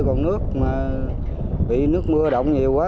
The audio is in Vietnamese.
còn nước mà bị nước mưa động nhiều quá